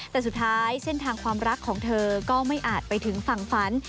แต่สุดท้ายเส้นทางความรักของเธอก็ไม่อาจไปถึงฝั่งฝัน